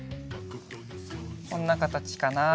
こんなかたちかな。